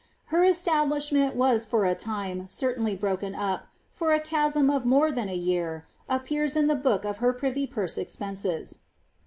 Her establishment iras for a time certainly broken up, for a chasm of more thu ■ Lifi' af Surrey. 1 146 MAmT. appears in the book of her privv punie expenses.